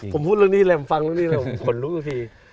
ผมพูดแล้วนี่แหลมฟังแล้วนี่ผมขนลุกกับพี่